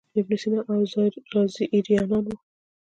ابن سینا او رازي ایرانیان وو.